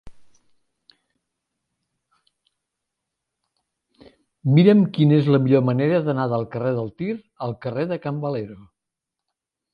Mira'm quina és la millor manera d'anar del carrer de Tir al carrer de Can Valero.